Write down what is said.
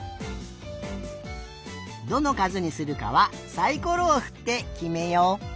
どのかずにするかはサイコロをふってきめよう。